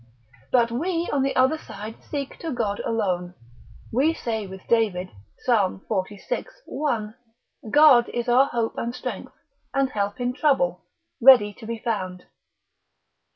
But we on the other side seek to God alone. We say with David, Psal. xlvi. 1. God is our hope and strength, and help in trouble, ready to be found.